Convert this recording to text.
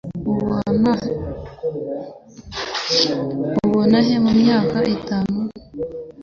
Ubona he mumyaka itanu?